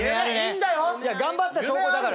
頑張った証拠だから。